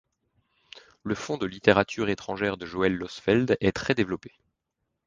Le fonds de littérature étrangère de Joëlle Losfeld est très développé.